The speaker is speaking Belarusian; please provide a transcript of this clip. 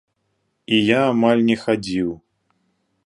І я амаль не хадзіў.